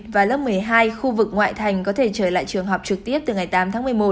và lớp một mươi hai khu vực ngoại thành có thể trở lại trường học trực tiếp từ ngày tám tháng một mươi một